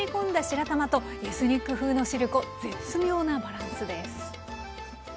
白玉とエスニック風のしるこ絶妙なバランスです。